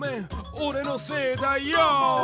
おれのせいだヨー！